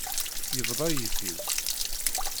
Yebḍa-yi-t-id.